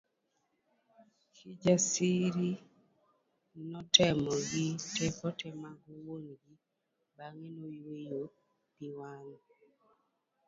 Kijasiri notemo gi teko te mag wuon gi bang'e noyueyo pi wang'e.